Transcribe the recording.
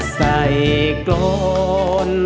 ใส่กล้อง